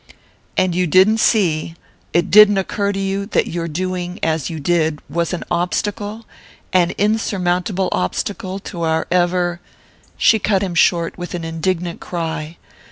"And you didn't see it didn't occur to you that your doing...as you did...was an obstacle an insurmountable obstacle to our ever ...?" She cut him short with an indignant cry.